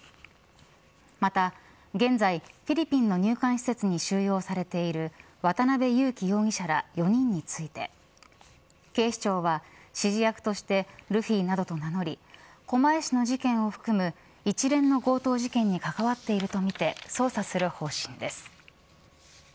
また現在フィリピンの入管施設に収容されている渡辺優樹容疑者ら４人について、警視庁は指示役としてルフィなどと名乗り狛江市の事件を含む一連の強盗事件に関わっているとみて捜査する方針です。